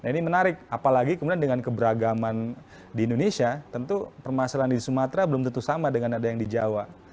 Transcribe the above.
nah ini menarik apalagi kemudian dengan keberagaman di indonesia tentu permasalahan di sumatera belum tentu sama dengan ada yang di jawa